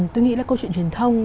tôi nghĩ là câu chuyện truyền thông